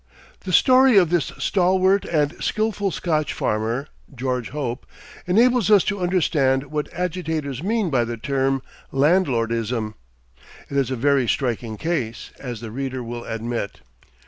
The story of this stalwart and skillful Scotch farmer, George Hope, enables us to understand what agitators mean by the term "landlordism." It is a very striking case, as the reader will admit.